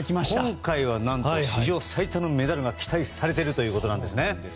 今回は何と、史上最多のメダルが期待されているということですね。